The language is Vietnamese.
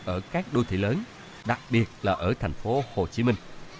ở các đô thị lớn đặc biệt là ở thành phố hồ chí minh